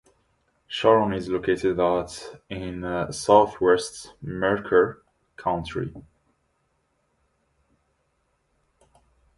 Sharon is located at in southwest Mercer County.